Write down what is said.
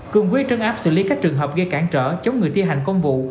cương quyết trấn áp xử lý các trường hợp gây cản trở chống người thi hành công vụ